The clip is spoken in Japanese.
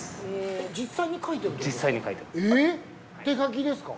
ええっ手書きですか？